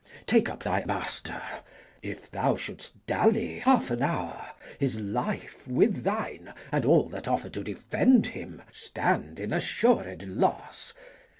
Take up thy master. If thou shouldst dally half an hour, his life, With thine, and all that offer to defend him, Stand in assured loss.